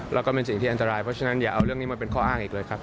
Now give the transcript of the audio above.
แล้วก็เป็นสิ่งที่อันตรายเพราะฉะนั้นอย่าเอาเรื่องนี้มาเป็นข้ออ้างอีกเลยครับ